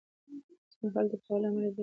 ځینې خلک د پېغور له امله بدې پرېکړې کوي.